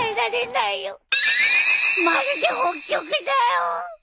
まるで北極だよ。